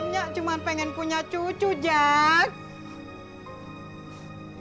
nya cuman pengen punya cucu jack